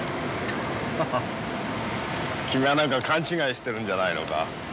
ハハ君は何か勘違いしてるんじゃないのか？